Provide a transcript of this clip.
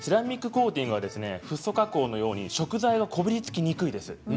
フッ素加工のように食材がこびりつきにくいです。